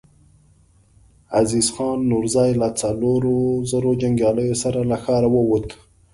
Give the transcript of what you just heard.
عزيز خان نورزی له څلورو زرو جنګياليو سره له ښاره ووت.